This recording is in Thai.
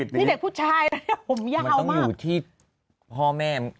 แต่ต้องอยู่ที่พ่อแม่